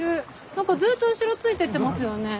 なんかずっと後ろついてってますよね。